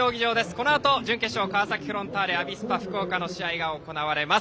このあと準決勝川崎フロンターレ対アビスパ福岡の試合が行われます。